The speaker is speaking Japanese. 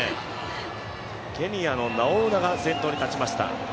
ケニアのナウォウナが先頭に立ちました。